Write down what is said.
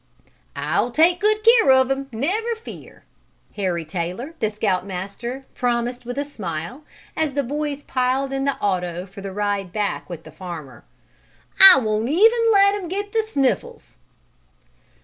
"I'll take good care of him never fear!" Harry Taylor, the Scout Master, promised with a smile, as the boys piled in the auto for the ride back with the farmer. "I won't let him get even the snuffles!"